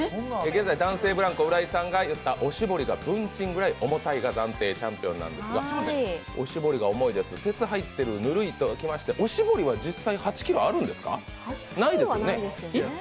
現在、男性ブランコ・浦井さんが言った「おしぼりが文鎮ぐらい重たい」が暫定チャンピオンなんですが、「おしぼりが重いです」、「鉄入ってるぅぬるい」とありましておしぼりは実際、８ｋｇあるんですか？